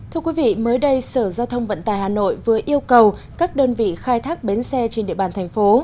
thưa quý vị mới đây sở giao thông vận tài hà nội vừa yêu cầu các đơn vị khai thác bến xe trên địa bàn thành phố